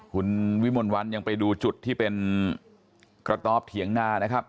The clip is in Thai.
คุณวิมลวันยังไปดูจุดที่เป็นกระต๊อบเถียงนานะครับ